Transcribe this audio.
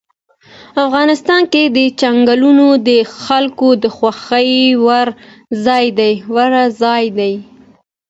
افغانستان کې چنګلونه د خلکو د خوښې وړ ځای دی.